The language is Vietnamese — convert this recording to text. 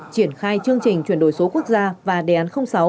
triển khai chương trình chuyển đổi số quốc gia và đề án sáu